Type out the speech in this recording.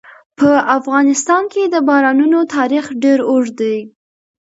په افغانستان کې د بارانونو تاریخ ډېر اوږد دی.